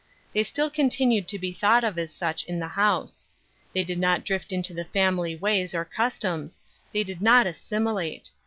They still continued to be thought of as such in the house. They did not drift into the family ways or customs — they did not assimilate.